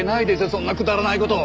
そんなくだらない事！